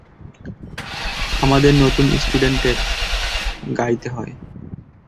আমাদের নতুন স্টুডেন্টদের গাইতে হয়।